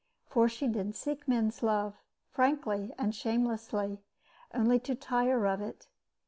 For she did seek men's love, frankly and shamelessly, only to tire of it.